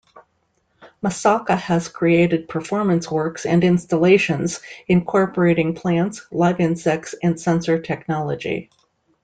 Masaoka has created performance works and installations incorporating plants, live insects, and sensor technology.